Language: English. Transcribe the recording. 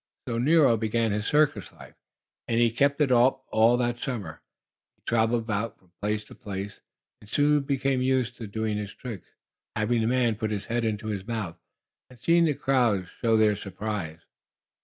So Nero began his circus life, and he kept it up all that summer. He traveled about from place to place, and soon became used to doing his tricks, having the man put his head into his mouth and seeing the crowds show their surprise.